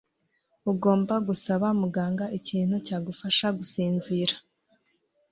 Ugomba gusaba muganga ikintu cyagufasha gusinzira.